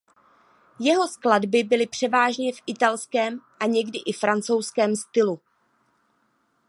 Jeho skladby byly převážně v italském a někdy i francouzském stylu.